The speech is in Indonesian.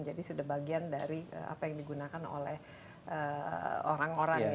sudah bagian dari apa yang digunakan oleh orang orang ya